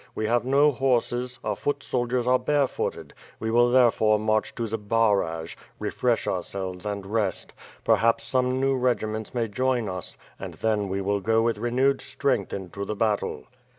We have no horses; our foot sol diers are barefooted; we will therefore march to Zbaraj, re fresh ourselves and rest. Perhaps some new regiments may join us, and then we will go with renewed strength into the battle."